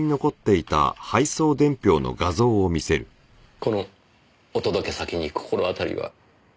このお届け先に心当たりは？